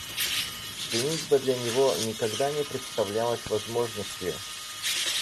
Женитьба для него никогда не представлялась возможностью.